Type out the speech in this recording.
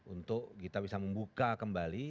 untuk kita bisa membuka kembali